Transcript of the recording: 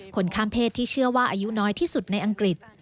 คนข้ามเพศที่เชื่อว่าอายุน้อยที่สุดในอังกฤษ